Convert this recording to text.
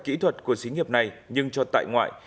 kỹ thuật của xính nghiệp này nhưng cho tại ngoại